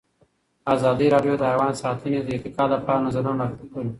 ازادي راډیو د حیوان ساتنه د ارتقا لپاره نظرونه راټول کړي.